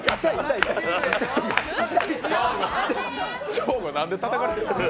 ショーゴ、何でたたかれてんの？